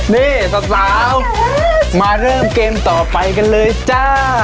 นี่สาวมาเริ่มเกมต่อไปกันเลยจ้า